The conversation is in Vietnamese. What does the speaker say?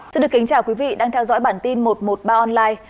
xin được kính chào quý vị đang theo dõi bản tin một trăm một mươi ba online